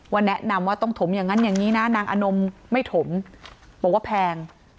แนะนำว่าต้องถมอย่างนั้นอย่างนี้นะนางอนมไม่ถมบอกว่าแพง